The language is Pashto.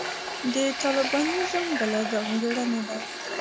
د طالبانیزم بله ځانګړنه ده.